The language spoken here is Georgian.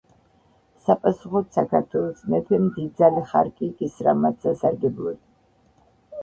საპასუხოდ საქართველოს მეფემ დიდძალი ხარკი იკისრა მათ სასარგებლოდ.